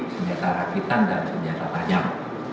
senjata rakitan dan senjata tajam